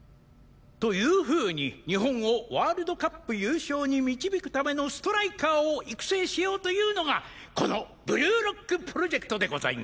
というふうに日本をワールドカップ優勝に導くためのストライカーを育成しようというのがこのブルーロックプロジェクトでございます。